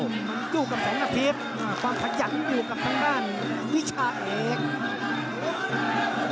ส่งสวยงามมันกล้วยกับสังหกฤษความพยายามอยู่กับทางด้านวิชาเอก